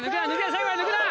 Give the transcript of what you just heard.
最後まで抜くな。